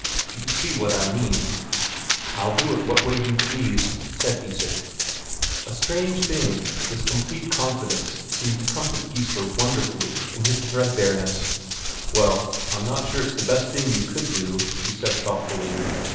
"Do you see what I mean?" "I'll do it what way you please," said Isak. A strange thing this complete confidence seemed to comfort Geissler wonderfully in his threadbareness. "Well, I'm not sure it's the best thing you could do," he said thoughtfully.